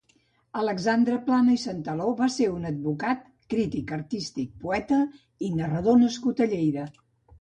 Alexandre Plana i Santaló va ser un advocat, crític artístic, poeta i narrador nascut a Lleida.